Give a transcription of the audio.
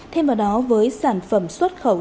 thêm vào đó với sản phẩm xuất khẩu